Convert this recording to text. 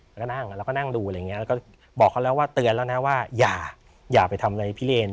แล้วก็นั่งแล้วก็นั่งดูอะไรอย่างนี้แล้วก็บอกเขาแล้วว่าเตือนแล้วนะว่าอย่าไปทำอะไรพี่เลน